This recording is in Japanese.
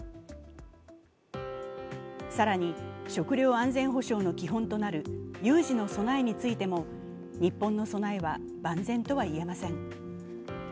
更に、食料安全保障の基本となる有事の備えについても、日本の備えは万全とは言えません。